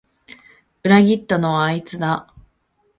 裏切ったのはあいつだ